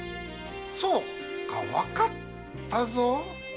そうかわかったぞ。